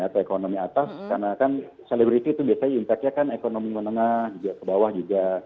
atau ekonomi atas karena kan selebriti itu biasanya impact nya kan ekonomi menengah juga ke bawah juga